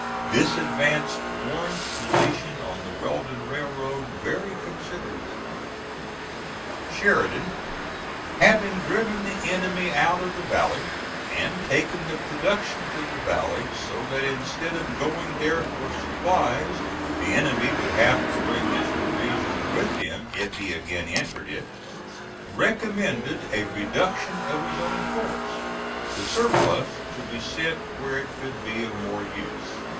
This advanced Warren's position on the Weldon Railroad very considerably. Sheridan having driven the enemy out of the valley, and taken the productions of the valley so that instead of going there for supplies the enemy would have to bring his provisions with him if he again entered it, recommended a reduction of his own force, the surplus to be sent where it could be of more use.